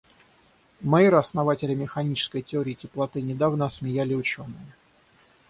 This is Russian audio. Мейера, основателя механической теории теплоты, недавно осмеяли ученые.